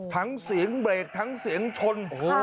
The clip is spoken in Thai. เสียงเบรกทั้งเสียงชน